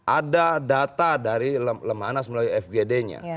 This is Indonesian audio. ada data dari lemhanas melalui fgd nya